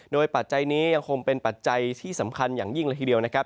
โดยปัจจัยนี้ยังคงเป็นปัจจัยที่สำคัญอย่างยิ่งละทีเดียวนะครับ